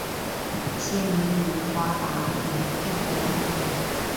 县名以瓜达卢佩河命名。